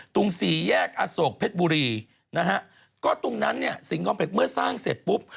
ตรง๔แยกอสโกกเพชรบุรีนะฮะก็ตรงนั้นเมื่อสร้างเสร็จปุ๊บ